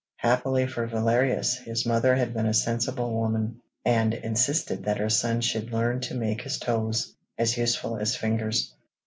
Happily for Valerius, his mother had been a sensible woman, and insisted that her son should learn to make his toes as useful as fingers.